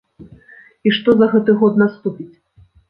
І што за гэты год наступіць?